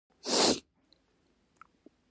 سیندونه د افغانستان د سیلګرۍ برخه ده.